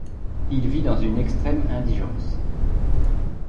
Il vit dans une extrême indigence.